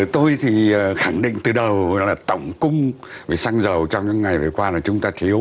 tôi thì khẳng định từ đầu là tổng cung về xăng dầu trong những ngày vừa qua là chúng ta thiếu